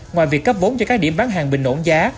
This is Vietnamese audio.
ngoài việc cấp vốn cho các điểm bán hàng bình ổn giá